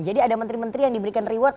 jadi ada menteri menteri yang diberikan reward